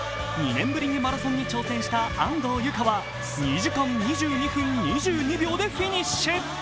２年ぶりにマラソンに挑戦した安藤友香は２時間２２分２２秒でフィニッシュ。